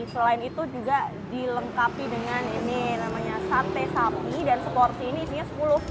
selain itu juga dilengkapi dengan ini namanya sate sapi dan seporsi ini isinya sepuluh